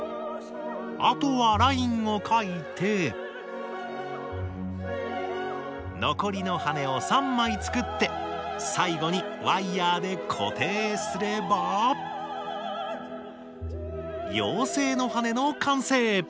あとはラインを描いて残りの羽根を３枚作って最後にワイヤーで固定すれば妖精の羽根の完成！